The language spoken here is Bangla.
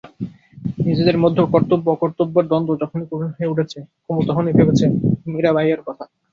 নিজের মধ্যে কর্তব্য-অকর্তব্যের দ্বন্দ্ব যখনই কঠিন হয়ে উঠেছে, কুমু তখনই ভেবেছে মীরাবাইএর কথা।